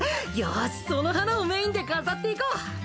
よしその花をメインで飾っていこう！